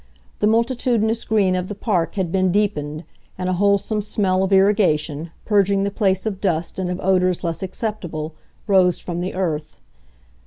The multitudinous green of the Park had been deepened, and a wholesome smell of irrigation, purging the place of dust and of odours less acceptable, rose from the earth.